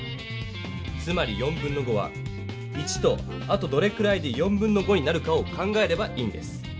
つまりは１とあとどれくらいでになるかを考えればいいんです。